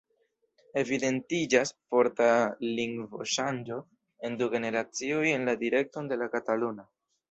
Evidentiĝas forta lingvoŝanĝo en du generacioj en la direkton de la kataluna.